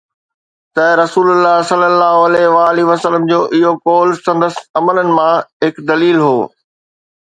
ته رسول الله صلي الله عليه وآله وسلم جو اهو قول سندس عملن مان هڪ دليل هو